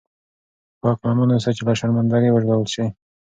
پاک لمن اوسه چې له شرمنده ګۍ وژغورل شې.